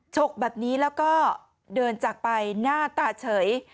ชกแบบนี้แล้วก็เดินจากไปหน้าตาเฉย